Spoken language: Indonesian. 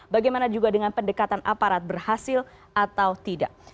bagaimana juga dengan pendekatan aparat berhasil atau tidak